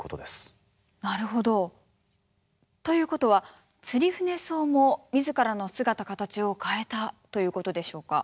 なるほど。ということはツリフネソウも自らの姿形を変えたということでしょうか。